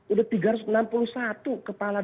udah tiga ratus enam puluh satu kepala